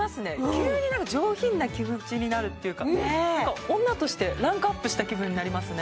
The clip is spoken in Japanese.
急になんか上品な気持ちになるっていうか女としてランクアップした気分になりますね